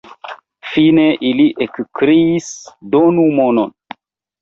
Fine ili ekkriis: donu monon!